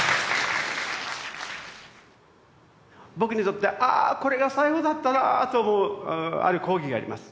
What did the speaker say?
僕にとってああこれが最後だったなぁと思うある講義があります。